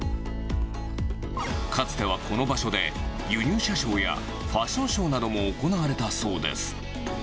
かつてはこの場所で、輸入車ショーやファッションショーなども行われたそうです。